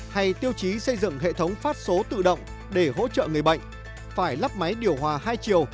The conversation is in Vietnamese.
hay tiêu chí xây dựng hệ thống phát số tự động để hỗ trợ người bệnh phải lắp máy điều hòa hai chiều